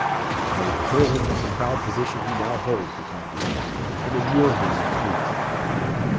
"I will hurl him from the proud position he now holds," replied the other, "and immure him in the Fleet."